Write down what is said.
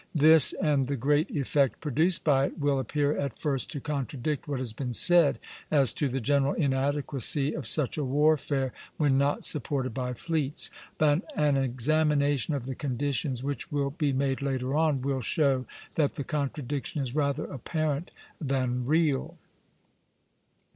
This, and the great effect produced by it, will appear at first to contradict what has been said as to the general inadequacy of such a warfare when not supported by fleets; but an examination of the conditions, which will be made later on, will show that the contradiction is rather apparent than real.